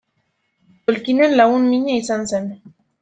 Tolkienen lagun mina izan zen.